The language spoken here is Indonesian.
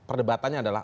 itu perdebatannya adalah